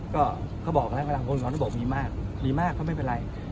ก็บอกมีมากมีมากไม่เป็นไร